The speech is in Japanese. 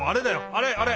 あれあれ！